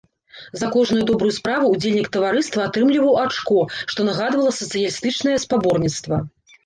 За кожную добрую справу ўдзельнік таварыства атрымліваў ачко, што нагадвала сацыялістычнае спаборніцтва.